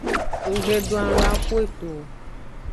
Nggbe don alon a ku eto o.